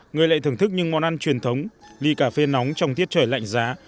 người lại thưởng thức những món ăn truyền thống ly cà phê nóng trong tiết trời lạnh giá